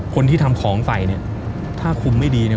คนที่ทำของใส่เนี่ยถ้าคุมไม่ดีเนี่ย